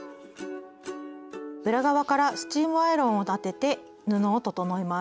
裏側からスチームアイロンを当てて布を整えます。